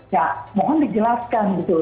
ya mohon dijelaskan gitu